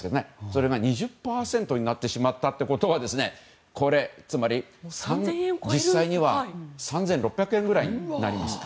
それが２０％になってしまったということはこれはつまり実際には３６００円くらいになります。